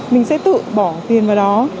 mình sẽ tự bỏ tiền vào đó